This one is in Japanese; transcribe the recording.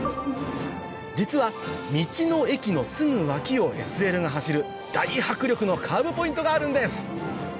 実は道の駅のすぐ脇をＳＬが走る大迫力のカーブポイントがあるんです